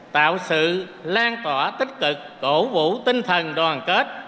tạo sự lan tỏa tích cực cổ vũ tinh thần đoàn kết